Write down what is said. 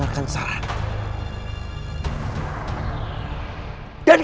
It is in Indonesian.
kapan dalam hidupmu